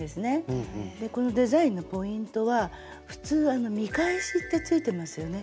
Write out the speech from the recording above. でこのデザインのポイントは普通見返しってついてますよね。